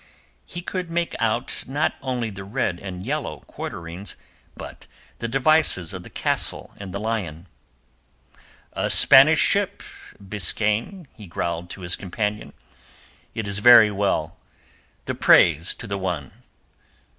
He could make out not only the red and yellow quarterings, but the devices of the castle and the lion. "A Spanish ship, Biskaine," he growled to his companion. "It is very well. The praise to the One!"